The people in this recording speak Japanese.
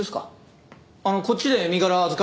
こっちで身柄預かりますよ。